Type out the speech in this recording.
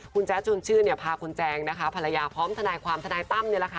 คุณแจ๊กชนชื่อพาคุณแจงภรรยาพร้อมธนัยความธนัยตั้ม